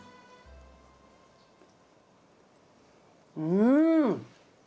うん！